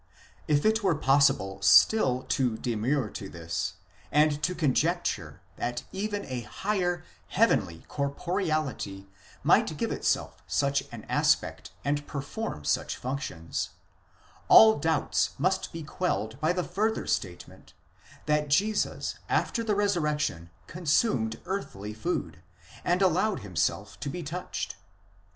If it were possible still to demur to this, and to conjecture, that even a higher, heavenly corporeality might give itself such an aspect and perform such functions : all doubts must be quelled by the further statement, that Jesus after the resurrection consumed earthly food, and allowed himself to be touched.